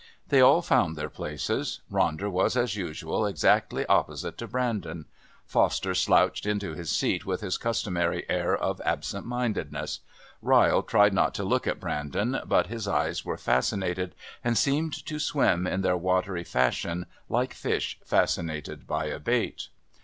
They all found their places. Ronder was as usual exactly opposite to Brandon. Foster slouched into his seat with his customary air of absentmindedness. Ryle tried not to look at Brandon, but his eyes were fascinated and seemed to swim in their watery fashion like fish fascinated by a bait.